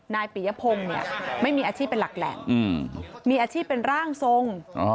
ปียพงศ์เนี่ยไม่มีอาชีพเป็นหลักแหล่งมีอาชีพเป็นร่างทรง